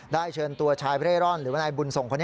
เชิญตัวชายเร่ร่อนหรือว่านายบุญส่งคนนี้